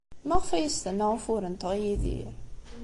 Maɣef ay as-tenna ufur-nteɣ i Yidir?